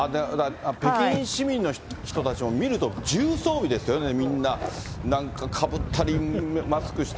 北京市民の人たちも見ると、重装備ですよね、みんな。